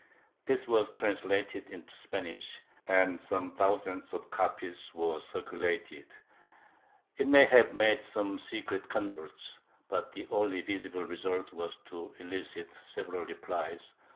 This was translated into Spanish and some thousands of copies were circulated ; it may have made some secret converts but the only visible result was to ehcit several replies.